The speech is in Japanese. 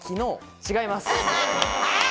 違います。